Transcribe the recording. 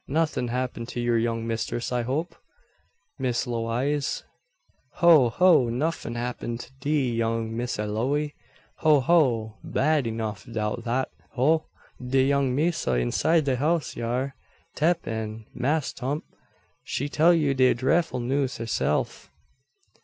Nothin' happened to yur young mistress, I hope? Miss Lewaze " "Ho ho! nuffin' happen to de young Missa Looey. Ho ho! Bad enuf 'thout dat. Ho! de young missa inside de house yar, 'Tep in, Mass' 'Tump. She tell you de drefful news herseff."